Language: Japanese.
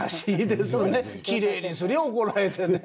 きれいにすりゃあ怒られてね。